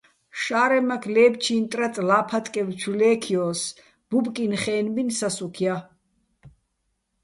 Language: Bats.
შა́რემაქ ლე́ფჩინი̆ ტრაწ ლა́ფატკევ ჩუ ლექჲოს, ბუბკინ-ხე́ნბინ სასუქ ჲა.